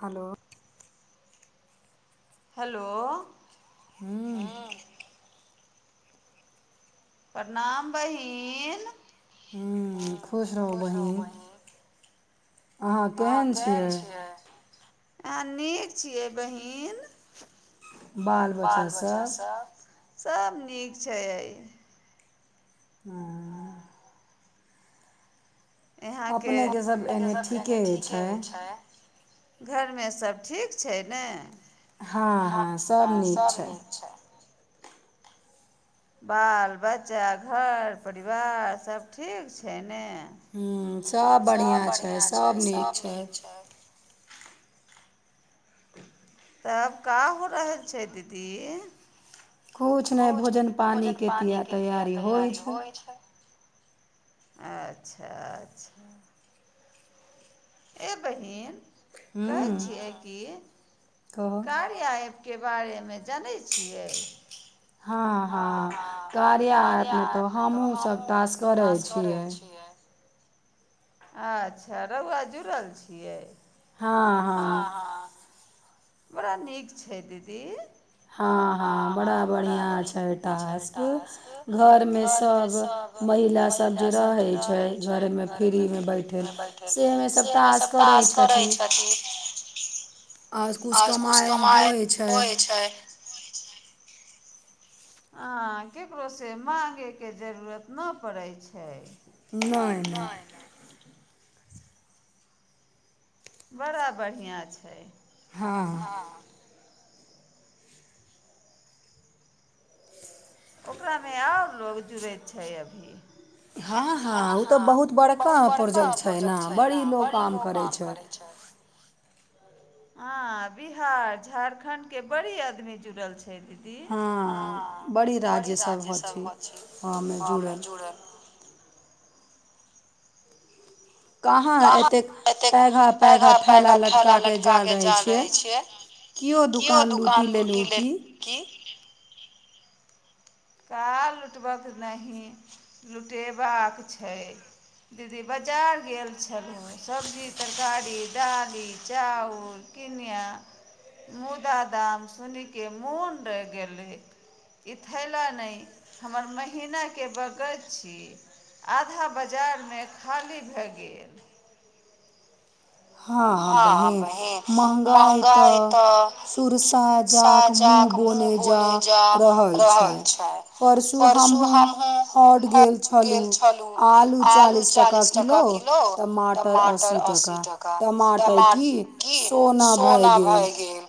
Hello. [unintelligible] Hello. [unintelligible] हँ। [unintelligible] प्रणाम बहीन। [unintelligible] ह खुश रहू बहीन। [unintelligible] अहाँ केहन छियै। [unintelligible] आह नीक छियै बहीन। [unintelligible] बाल बच्चासभ। [unintelligible] सभ नीक छै। [unintelligible] आं। [unintelligible] अहाँ के सब एने ठीके छै। घरमे सभ ठीक छै ने। हँ -हँ सभ नीक छै। बाल बच्चा घर परिवार सभ ठीक छै ने। ह्म सभ बढ़िआँ छै सभ नीक छै। तब काह रहै छै दीदी। किछु नहि भोजन पानिके तए तैयारी होइ छै। [unintelligible] अच्छा -अच्छा। ए बहिन। [unintelligible] कहै छियै कि कार्य। के बारेमे जानै छियै। हँ -हँ कार्य आपमे तऽ हमहूँसभ तास करै छियै। [unintelligible] अच्छा रु आाजू। ूटल छियै। [unintelligible] हँ- हँ। [unintelligible] [unintelligible] बड़ा नीक छै दीदी। हँ -हँ बड़ा बढ़िआँ छै टास्क घरमे सभ महिलासभ जे रहैत छै घरमे फ्रीमे बैठल सेमे सभ। मे सभटा आसकर रहै छथि। आर किछु कमाइ होइ छै। हां केकरो से मांगे के जरूरत न पड़ै छै। नै नै। बड़ा बढ़िया छै। हां। ओकरा मे और लोग जुड़ैत छै अभी। हां हां उ तऽ बहुत बड़का प्रोजेक्ट छै नै बड़ी लोक काम करै छै। हां बिहार, झारखंड के बड़ी आदमी जुड़ल छै। छै दीदी, हां बड़ी राज्य सभा छै व मे जुड़ल। कहाँ एतेक पैघा पैघा थैलाा लटका कऽ जा रहै छियै कियौ दुकान लूटि लेलहुँ की।। काल लुटबक नहि लुटेबाक छै दीदी बाजार गेल छलहुँ सब्जी तरकारी दालि चाउर किनया मुदा दाम सुन के मोन रह गेलैथ इ थै। ला नै हमर महीनाके बगज छी आधा बाजारमे खाली भए गेल। हां बहीन महंगाई तऽ सुरसा जाकऽ मूँह बोने जा रहल छै परसू हमहूँ हाट गेल छलहुँ आलू चालीस टाका किलो, टमाटर अस्सी टाका। टमा की सोना भय गेल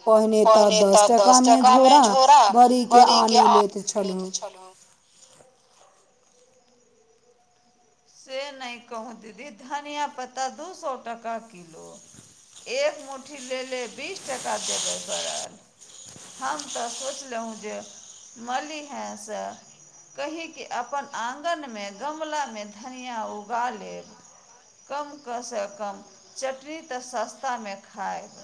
पहिने तऽ दस टका मे झोरा भड़ी के आ लेैत छलू। से नै कहु दीदी धनिया पत्ता दू सौ टका किलो, एक मुठी लेले बीस टका देबय पड़ल, हम त सोचलहुँ जे मलिहे से कहीँके अपन आंगन मे गमला मे धनिया उगा लेब, कम क से कम चटनी त सस्तामे खाएब।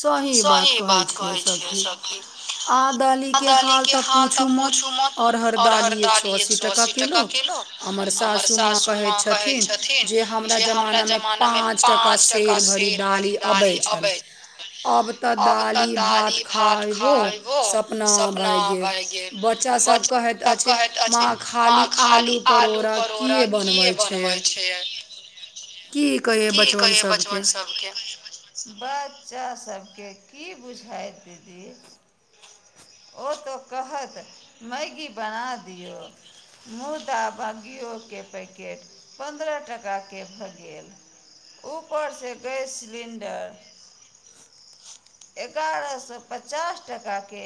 सही बात कहै छियै सखी आ दालीके हाल त पुछु मत, अरहर दाली एक सौ असी टका किलो अमर स हमर सासु माँ कहै छथिन जे हमरा जमाना मे पांच टका सेर भरि दाली अबे आब तऽ दालि भात खायबो सपना भए गेल बच्चा सब कहैत अछि माँ खाली आलू परोड़ाक। कटोरा के बनवै छेयै की [unintelligible] कहयै बचबन सबके। बच्चा सबके की बुझाइत दीदी, ओ त कहत मैगी बना दियौ, मुदा ब गियौ के पैकेट पंदरह टका जेब से गेल, ऊपर से गैस सिलेंडर, एगारह सै पचास टका के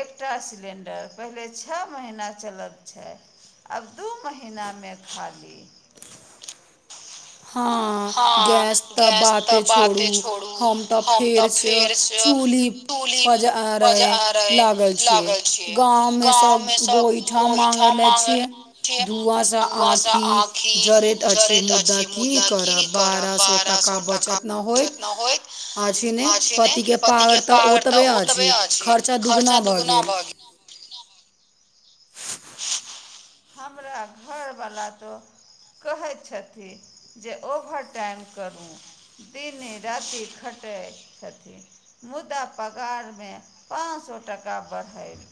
एकटा सिलेंडर, पहले छ महीना चलै छै आब दू महीनामे खाली। हां गैस त बाते छोड़ु हम त फेर से चुल्ही पजारय लागल छियै। गाँवमे सं गोइठा मंगा लै छियै, धुआँ से आँखि जड़ैत अछि मुदा की करब, बारह सौ टाका जना होइत अछि ने पतिक के पागर त ओतबे अछि खर्चा दुगुना भ गेल, दुगुना भ गेल। हमरा घरवला त कहैत छथिन जे ओवर टाइम करू दिन राति खटै छथिन मुदा पगारमे पाँच सौ टाका बढ़ल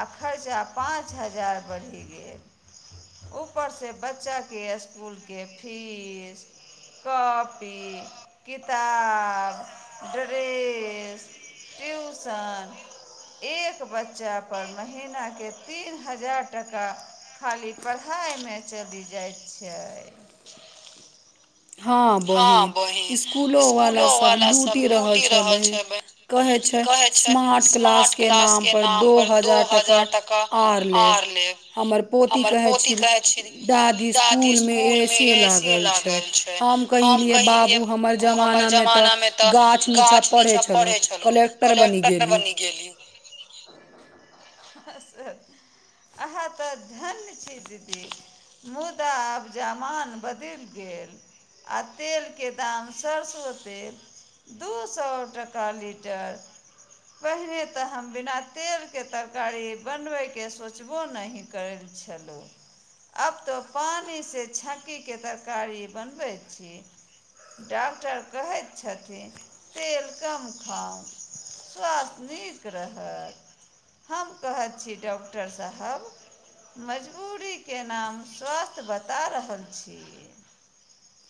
आ खर्चा पाँच हजार बढ़ि गेल ऊपर से बच्चाके असकुल के फीस कॉपी, किताब,, ड्रेस, ट्यूशन एक बच्चा पर महीना के तीन हजार टका खाली पढ़ाय मे चलि जाए छै। हां बहिन, इसकुलो वला सब लूटि रहल छै बहिन, कहै छै स्मार्ट क्लासके नामपर दो हजार टका आर लेब हमर पोती कहै छी दादी स्कूल मे ए सी लागल छै। हम कहीलियै बाबु हमर जमाना मे त गाछ नीचा पढ़े छलहु, कलेक्टर नै बनी गेली उ ह ह अहाँ त धन्य छी दीदी, मुदा आब जमाना बदल गेल। आ तेलके दाम सरसो तेल दू सौ टाका लीटर, पहिने तऽ हम बिना तेलके तरकारी बनबयके सोचबो नहि करैत छलहुँ आब त पानिसँ छाँकीके तरकारी बनबैत छी, डॉक्टर कहैत छथिन तेल कम खाउ स्वास्थ्य नीक रहत हम कहैत छी डॉक्टर साहब मजबूरीके नाम स्वास्थ्य बता रहल छीयै।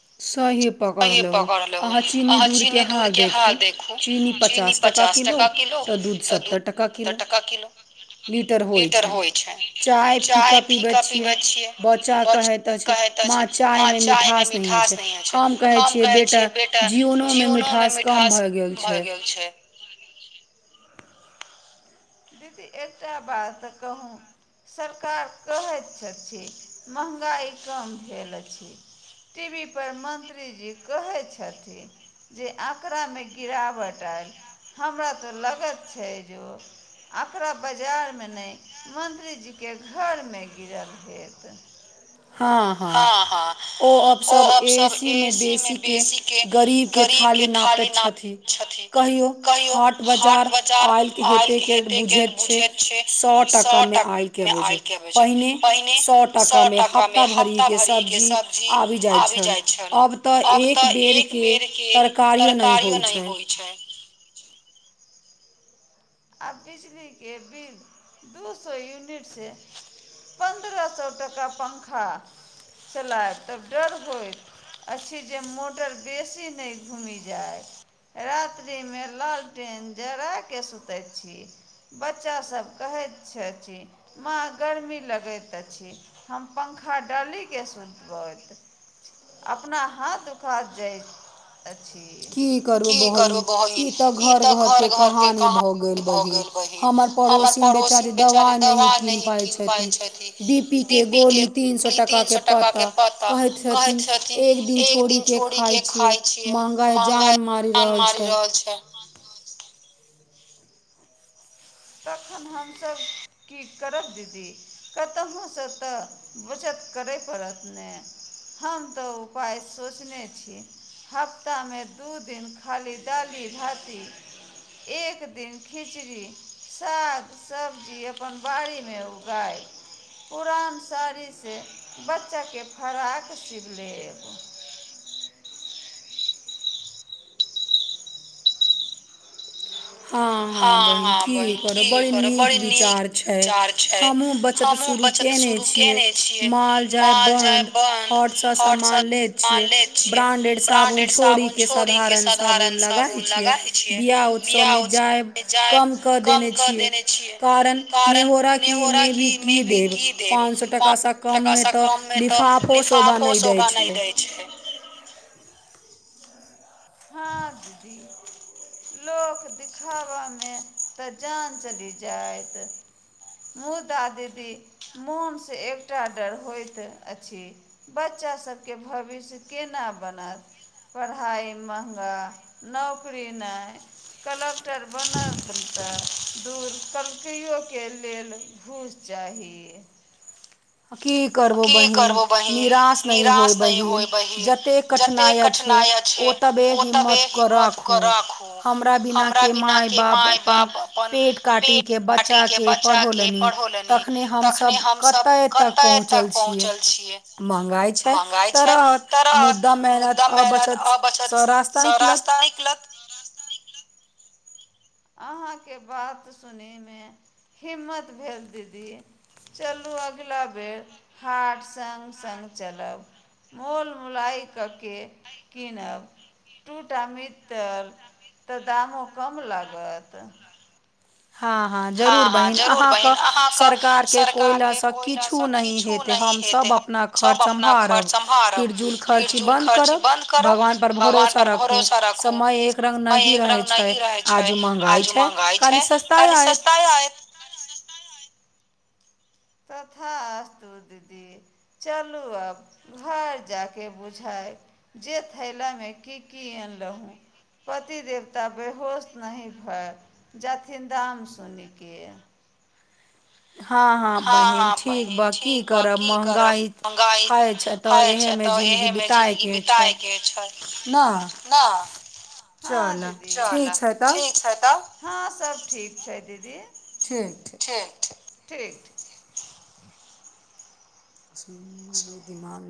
[unintelligible] सही पकड़लो, से अहाँ चीनी दूधके हाल देखू चीनी पचास टका किलो तऽ दूध सत्तर टका किलो लीटर होइ छै, चाय फीका पीबै छियै बच्चा कहैत अछि माँ चायमे मिठास नहि अछि। नहियै छै, हम कहै छियै बेटा जीवनोमे मिठास भरि गेल छै। दीदी एकटा बात कहु, सरकार कहैत छथि महँगाइ कम भेल अछि टी वी पर मन्त्रीजी कहैत छथिन जे आँकड़ामे गिरावट आयल हमरा तऽ लागैत छै जे ओ अकरा बाजारमे नहि मंत्रीजीके घरमे गिरल हैत। हँ हँ ओ आस एसीमे बेसीके गरीबके थाली नापैत छथिन कहियौ हाट बाजार आलके हेतैके बुझैत छै सए टाका मे आय के बजे पहिने सए टाकामे हफ्त मे हफ्ता भरिके सब्जी आबि जाइत छल आब त एक बेर के तरकारियो नहि होइत छै आ बिजलीके बिल दू सए यूनिटसँ पन्द्रह सए टाका पंखा चलायब तब डर होइत अछि जे मोटर बेसी नहि घूमि जाय, रात्रिमे लालटेन जराके सुत सुतै छी, बच्चासभ कहैत छथि माँ गर्मी लगैत अछि। हम पंखा डालीके सुतबैत अपना हाथ दुखा जाइत की करु बहिनी ई तऽ घर घर के कहानी भ गेल। भ गेल बहिन, हमर पड़ोसिन बेचारी दवा नह कीन पाय छथिन, बी पी के तीन सए टका केपत्ता कहैत छथिन एक दिन छोड़ के खाय छियै महंगाइ जान मारि रहल छै। तखन हमसभ की करब दीदी, कतहुसं त बचत करय पड़त, नहि हम त उपाय सोचने छी हफ्तामे दू दिन खाली दालि भाती एक दिन खिचड़ी साग सब्जी अपन बाड़ीमे उगायब पुरान साड़ीसे बच्चाके फराक सिबि लेब। बहिन की करब बड़ी नीक विचार छै, हमहु बचत शुरू केने छियै, मॉल जाय बन्द, हॉट से समान ले छियै, ब्रांडेड साबुन छोड़िके सधारण साबुन लगाय छियै, बियाह उत्सव मे जाएब कम कऽ देने छियै कारण नेहोरा की मे भी की देब, पान सौ टकासँ कममे तऽ लिफाफो शोभा नै दै छै। हाँ दीदी लोक दिखाबा मे तऽ जान चलि जाएत, मुद्दा दीदी मोन से एकटा डर होएत अछि बच्चा सबके भविष्य केना बनत, पढ़ाई महंगा, नौकरी नहि कलेक्टर बनल त दूर कलकैयो के लेल घुस चाही। की करबहु बहिन, निराश नहि होय बहिन, जतेक कठिनाइ अछि ओतेक तबे हिम्मत क राखू, हमरा बिना के माय-बाप अपन पेट काटी के बच्चा के पढ़ौलनि, तखने हम सब क कताय तक पहुँचल छियै, महंगाई छै त रहत मुद्दा मेहनत अ बचत स-स रास्ता निकलत। अहाँ के बात सुनै मे हिम्मत भेल दीदी चलू अगला बेर हाट संग-संग चलब, मोल मोलाई कऽ के कीनब दुटा मितर तऽ दामो कम ला गत। हाँ-हाँ जरूर बहीन अहाँके सरकारके कोयला से किछु नै हेतै, हम सब अपना घर सम्भहारब, फिरजूल खर्ची बन्द करब, भगवान पर भरोसा राखू समय एक रंग नहि रहै छै। आज उ महंगाई छै, काएल ई सस्ता आएत। तथा अस्तु दीदी चलू अब घर जा के बुझाय जे थैलामे की-की अनलहुं, पति देवता बेहोश नहि भाय जाथिन दाम सुनी के। हाँ-हाँ बहिन ठीक बा की करब महँगाई हय छै तऽ एहे मे जिन्दगी बितायके छै, ने हाँ दीदी चला ठीक छै तब, हाँ सब ठीक छै दीदी। ठीक-ठीक। ठीक-ठीक। सुन दिमाग मे